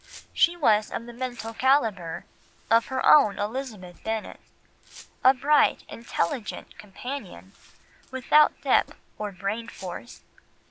She was of the mental calibre of her own Elizabeth Bennet, a bright intelligent companion, without depth or brain force.